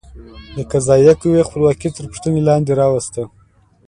د قضایه قوې خپلواکي تر پوښتنې لاندې راوسته.